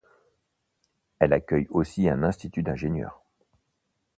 Elle accueille aussi un institut d'Ingénieurs.